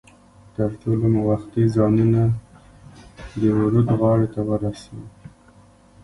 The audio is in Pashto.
تر ټولو مو وختي ځانونه د ورد غاړې ته ورسو.